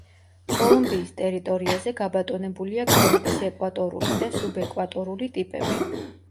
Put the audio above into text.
კოლუმბიის ტერიტორიაზე გაბატონებულია კლიმატის ეკვატორული და სუბეკვატორული ტიპები.